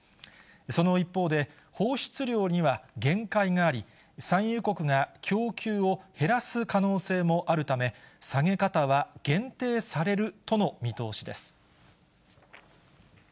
その一方で、放出量には限界があり、産油国が供給を減らす可能性もあるため、下げ方は限定されるとの見通しです。